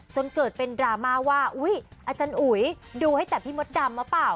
จนเกิดเป็นดราม่าว่าอุ๊ยอาจารย์อุ๋ยดูให้แต่พี่มดดำหรือเปล่า